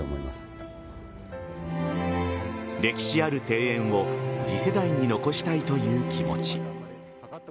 歴史ある庭園を次世代に残したいという気持ち。